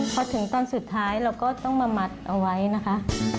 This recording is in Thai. พอถึงตอนสุดท้ายเราก็ต้องมามัดเอาไว้นะคะ